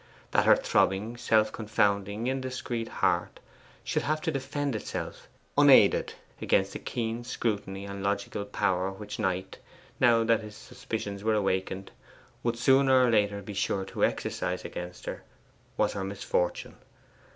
That her throbbing, self confounding, indiscreet heart should have to defend itself unaided against the keen scrutiny and logical power which Knight, now that his suspicions were awakened, would sooner or later be sure to exercise against her, was her misfortune.